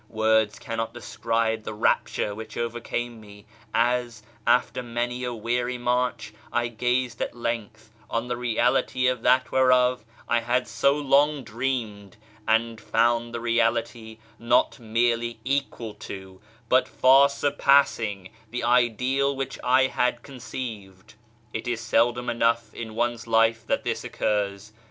Words cannot describe the rapture which overcame me as, after many a weary march, I gazed at lengtli on the reality of that whereof I had so Ioul; dreamed, and found the reality not merely equal to, but far surpassing, the ideal which I had conceived. It is seldom enough in one's life that this occurs.